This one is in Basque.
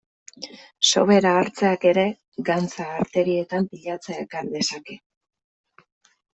Sobera hartzeak ere gantza arterietan pilatzea ekar dezake.